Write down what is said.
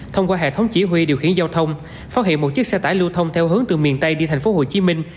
thông qua hệ thống chỉ huy điều khiển giao thông phát hiện một chiếc xe tải lưu thông theo hướng từ miền tây đi thành phố hồ chí minh